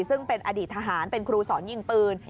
ซึ่งเป็นอดีตทหารเป็นครูสอนยิงปืน